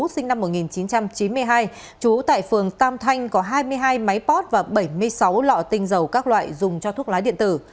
sinh năm một nghìn chín trăm chín mươi hai trú tại phường tam thanh có hai mươi hai máy pot và bảy mươi sáu lọ tinh dầu các loại dùng cho thuốc lá điện tử